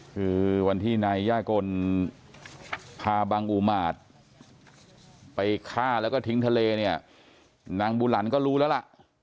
คือวันที่นายย่ากลพาบังอุมาตย์ไปฆ่าแล้วก็ทิ้งทะเลเนี่ยนางบุหลันก็รู้แล้วล่ะ